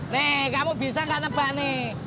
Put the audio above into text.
nih kamu bisa gak tebak nih